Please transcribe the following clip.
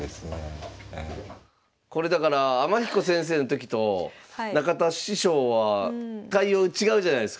これだから天彦先生の時と中田師匠は対応違うじゃないすか。